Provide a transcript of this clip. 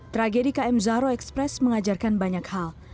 tragedi km zahro express mengajarkan banyak hal